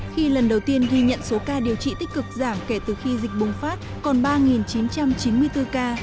khi lần đầu tiên ghi nhận số ca điều trị tích cực giảm kể từ khi dịch bùng phát còn ba chín trăm chín mươi bốn ca